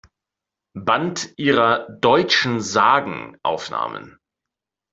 Band ihrer "Deutschen Sagen" aufnahmen.